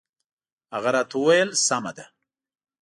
هغه راته وویل سمه ده.